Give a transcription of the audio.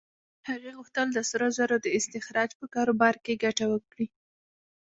هغه غوښتل د سرو زرو د استخراج په کاروبار کې ګټه وکړي.